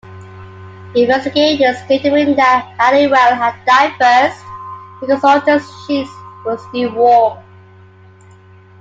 Investigators determined that Halliwell had died first, because Orton's sheets were still warm.